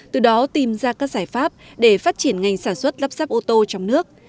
từ đó tìm ra các giải pháp để phát triển ngành sản xuất lắp ráp ô tô trong nước